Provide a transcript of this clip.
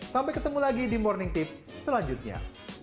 sampai ketemu lagi di morning tips selanjutnya